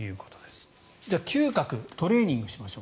じゃあ、嗅覚をトレーニングしましょう。